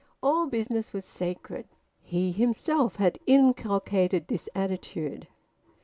... All business was sacred. He himself had inculcated this attitude.